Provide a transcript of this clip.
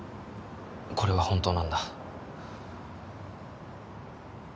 これは本当なんだ